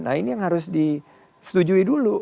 nah ini yang harus disetujui dulu